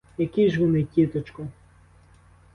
Які ж вони, тіточко?